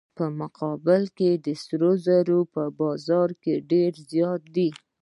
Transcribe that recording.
په مقابل کې سره زر په بازار کې ډیر زیات دي.